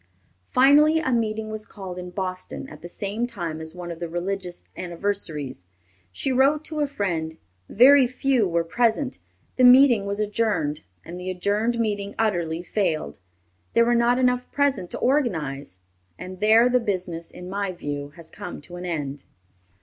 Finally a meeting was called in Boston at the same time as one of the religious anniversaries. She wrote to a friend, "Very few were present. The meeting was adjourned; and the adjourned meeting utterly failed. There were not enough present to organize, and there the business, in my view, has come to an end."